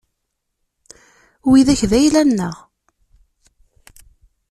Widak d ayla-nneɣ.